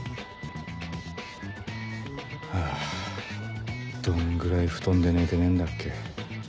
あぁどんぐらい布団で寝てねえんだっけ